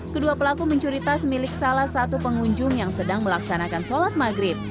kedua pelaku mencuri tas milik salah satu pengunjung yang sedang melaksanakan sholat maghrib